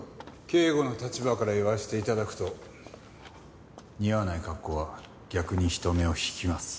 警護の立場から言わせて頂くと似合わない格好は逆に人目を引きます。